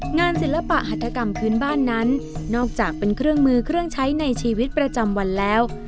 ศิลปะหัตถกรรมพื้นบ้านนั้นนอกจากเป็นเครื่องมือเครื่องใช้ในชีวิตประจำวันแล้ว